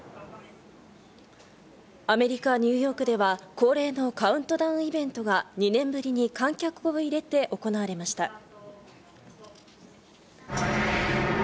アメリカ・ニューヨークでは恒例のカウントダウンイベントが２年ぶりに観客を入れて行われました。